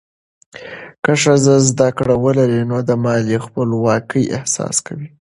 که ښځه زده کړه ولري، نو د مالي خپلواکۍ احساس کوي.